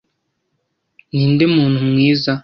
Ninde muntu mwiza?